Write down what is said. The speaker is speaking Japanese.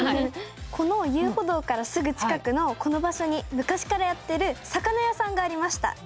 この遊歩道からすぐ近くのこの場所に昔からやってる魚屋さんがありました。